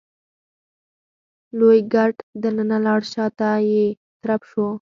لوی ګټ دننه لاړ شاته يې ترپ شو.